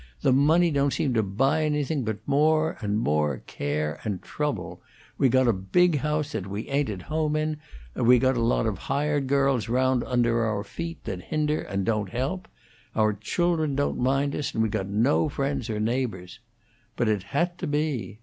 The money don't seem to buy anything but more and more care and trouble. We got a big house that we ain't at home in; and we got a lot of hired girls round under our feet that hinder and don't help. Our children don't mind us, and we got no friends or neighbors. But it had to be.